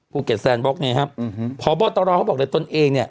ภูเก็ตแซนบล็อกเนี่ยครับพบตรเขาบอกเลยตนเองเนี่ย